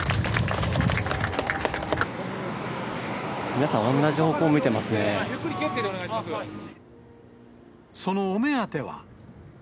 皆さん同じ方向を向いていまそのお目当ては。